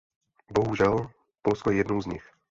Bohužel, Polsko je jednou z nich.